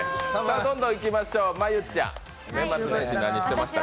どんどんいきましょう。